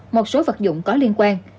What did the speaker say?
một số vật dụng có liên quan